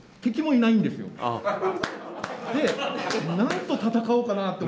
で何と戦おうかなって思って。